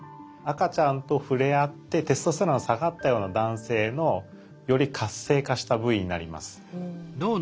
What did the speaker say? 赤ちゃんと触れあってテストステロンが下がったような男性のより活性化した部位になります。